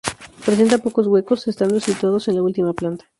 Presenta pocos huecos, estando estos situados en la última planta.